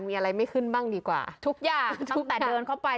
มีอะไรไม่ขึ้นบ้างดีกว่าทุกอย่างตั้งแต่เดินเข้าไป